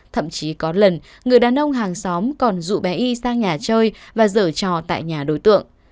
thậm chí có lần người đàn ông hàng xóm còn rủ bé y sang nhà chơi và dở trò tại nhà đối tượng